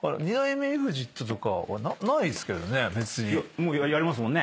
もうやりますもんね。